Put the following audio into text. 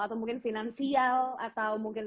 atau mungkin finansial atau mungkin